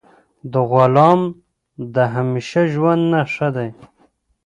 د غلام د همیشه ژوند نه ښه دی.